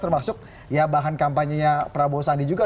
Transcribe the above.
termasuk bahan kampanye prabowo sandi juga